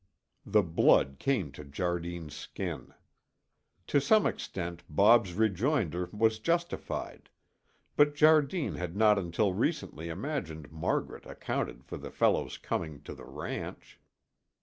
The blood came to Jardine's skin. To some extent Bob's rejoinder was justified; but Jardine had not until recently imagined Margaret accounted for the fellow's coming to the ranch.